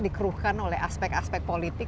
dikeruhkan oleh aspek aspek politik